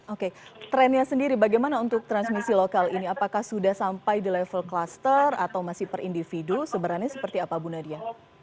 oke trennya sendiri bagaimana untuk transmisi lokal ini apakah sudah sampai di level kluster atau masih per individu sebenarnya seperti apa bu nadia